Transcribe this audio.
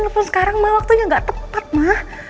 telepon sekarang ma waktunya gak tepat ma